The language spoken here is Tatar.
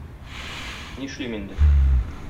Нишлим инде?